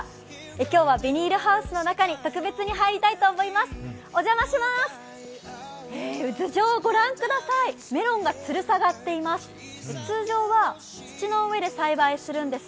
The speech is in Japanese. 今日はビニールハウスの中に特別に入りたいと思います。